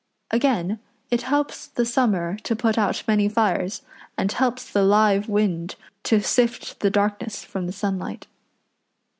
Again, it helps the summer to put out many fires, and helps the live wind to sift the darkness from the sunlight.